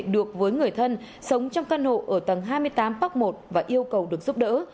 được với người thân sống trong căn hộ ở tầng hai mươi tám park một và yêu cầu được giúp đỡ